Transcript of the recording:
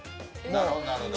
なるほどなるほど。